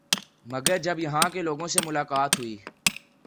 مگر جب یہاں کے لوگوں سے ملاقات ہوئی